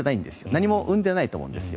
何も生んでないと思うんですよ。